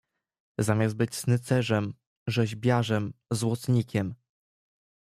"zamiast być snycerzem, rzeźbiarzem, złotnikiem!"